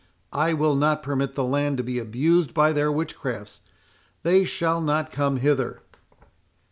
I will not permit the land to be abused by their witchcrafts.—They shall not come hither."